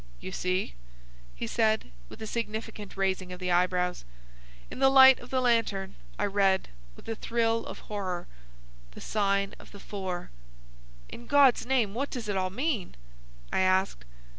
"You see," he said, with a significant raising of the eyebrows. In the light of the lantern I read, with a thrill of horror, "The sign of the four." "In God's name, what does it all mean?" I asked.